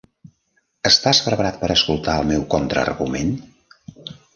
Estàs preparat per a escoltar el meu contraargument?